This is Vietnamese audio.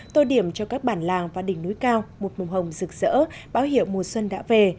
tô điểm cho các bản làng và đỉnh núi cao một mồng hồng rực rỡ báo hiệu mùa xuân đã về